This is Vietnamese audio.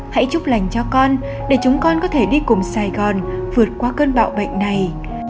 hãy chúc lành cho con để chúng con có thể đi cùng sài gòn vượt qua cơn bão bệnh này